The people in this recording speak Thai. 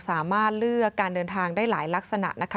สามารถเลือกการเดินทางได้หลายลักษณะนะคะ